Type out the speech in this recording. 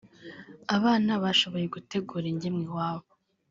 Abana bashoboye gutegura ingemwe iwabo